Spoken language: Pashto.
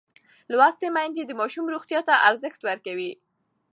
لوستې میندې د ماشوم روغتیا ته ارزښت ورکوي.